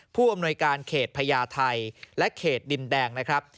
ผู้อำนวยการเขตพญาไทยและเขตดินแดงนะครับ